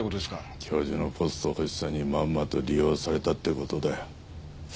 教授のポスト欲しさにまんまと利用されたって事だよ。